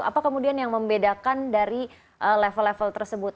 apa kemudian yang membedakan dari level level tersebut